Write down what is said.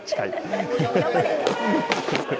頑張れ。